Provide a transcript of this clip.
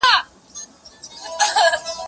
زه اجازه لرم چي زدکړه وکړم!؟